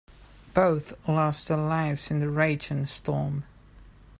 Both lost their lives in the raging storm.